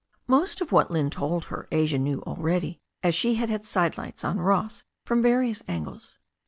Most of what Lynne told her Asia already knew, as she had had sidelights on Ross from various angles.